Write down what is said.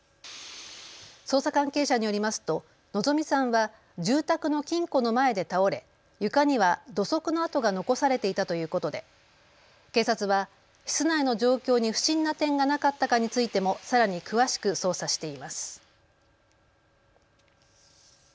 捜査関係者によりますと希美さんは住宅の金庫の前で倒れ床には土足の跡が残されていたということで警察は室内の状況に不審な点がなかったかについてもさらに詳しく捜査しています。